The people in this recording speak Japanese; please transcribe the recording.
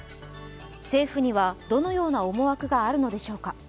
政府には、どのような思惑があるのでしょうか。